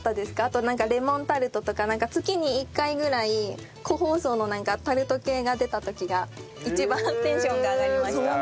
あとなんかレモンタルトとか月に１回ぐらい個包装のタルト系が出た時が一番テンションが上がりました。